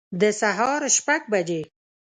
د سهار شپږ بجي